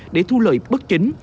để thu lợi bất chính